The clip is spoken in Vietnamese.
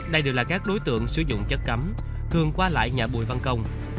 đây đều là các đối tượng sử dụng chất cấm thường qua lại nhà bùi văn công